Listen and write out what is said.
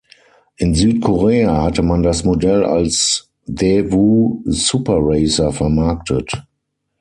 In Südkorea hatte man das Modell als Daewoo Super Racer vermarktet.